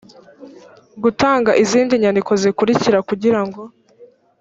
gutanga izindi nyandiko zikurikira kugirango